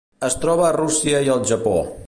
Es troba a Rússia i el Japó.